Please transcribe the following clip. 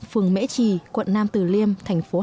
phường mễ trì quận nam tử liêm thành phố hà nội